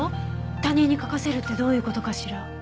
他人に書かせるってどういう事かしら？